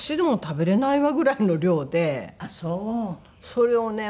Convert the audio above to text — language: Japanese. それをね